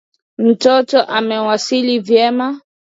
Mtoto amewasili vyema